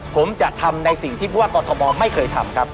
ผมจะทำในสิ่งที่ผู้ว่ากอทมไม่เคยทำครับ